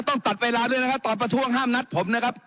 ตัดเวลาด้วยนะครับตอบประท้วงห้ามนัดผมนะครับ